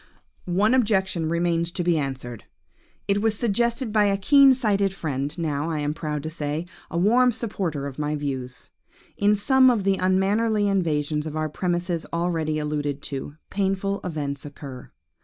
"One objection remains to be answered. It was suggested by a keen sighted friend, now, I am proud to say, a warm supporter of my views. In some of the unmannerly invasions of our premises already alluded to, painful events occur.